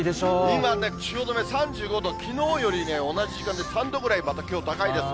今ね、汐留３５度、きのうより、同じ時間で３度ぐらい、またきょう高いです。